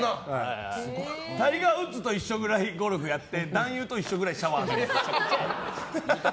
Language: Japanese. タイガー・ウッズと一緒ぐらいゴルフやって男優と一緒くらいシャワー浴びる。